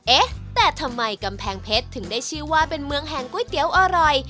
เอ๊ะแต่ทำไมกำแพงเพชรถึงได้ชื่อว่าเป็นเมืองแห่งก๋วยเตี๋ยวอร่อย